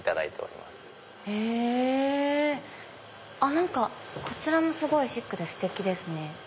何かこちらすごいシックでステキですね。